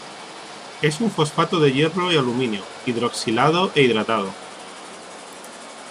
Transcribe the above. Es un fosfato de hierro y aluminio, hidroxilado e hidratado.